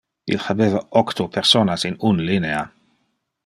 Il habeva octo personas in un linea.